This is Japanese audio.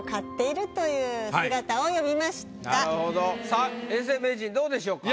さあ永世名人どうでしょうか？